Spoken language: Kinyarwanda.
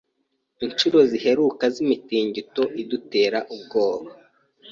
Inshuro ziheruka z’imitingito idutera ubwoba.